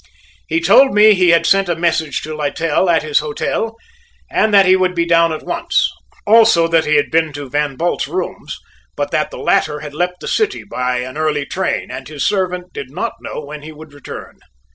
He told me he had sent a message to Littell at his hotel, and that he would be down at once; also that he had been to Van Bult's rooms, but that the latter had left the city by an early train, and his servant did not know when he would return.